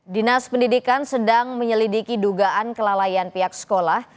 dinas pendidikan sedang menyelidiki dugaan kelalaian pihak sekolah